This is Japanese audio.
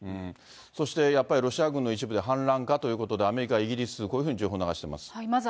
そしてやっぱりロシア軍の一部で反乱かということで、アメリカ、イギリス、こういうふうに情報流してます。